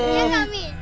iya gak mi